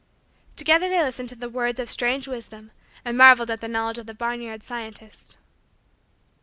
Together they listened to the words of strange wisdom and marveled at the knowledge of the barnyard scientist.